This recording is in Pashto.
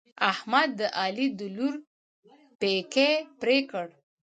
احمد د علي د لور پېکی پرې کړ.